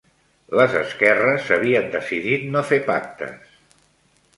Les esquerres havien decidit no fer pactes.